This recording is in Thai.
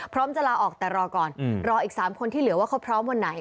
จะลาออกแต่รอก่อนรออีก๓คนที่เหลือว่าเขาพร้อมวันไหน